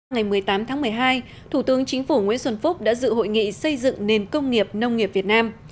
ngày một mươi tám tháng một mươi hai thủ tướng chính phủ nguyễn xuân phúc đã dự hội nghị xây dựng nền công nghiệp nông nghiệp việt nam